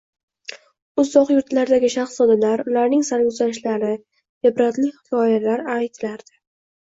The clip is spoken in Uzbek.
Uzoq yurtlardagi shaxzodalar, ularning sarguzashtlari, ibratli hikoyalar aytilardi...